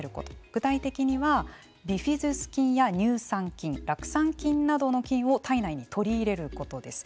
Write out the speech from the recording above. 具体的にはビフィズス菌や乳酸菌酪酸菌などの菌を体内に取り入れることです。